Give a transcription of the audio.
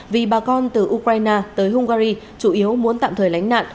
vì bà con từ ukraine tới hungary chủ yếu muốn tạm thời lánh nạn